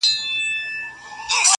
شپې په برخه سوې د غلو او د بمانو،